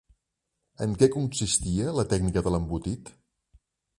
En què consistia la tècnica de l'embotit?